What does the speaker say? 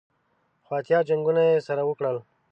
څو اتیا جنګونه یې سره وکړل.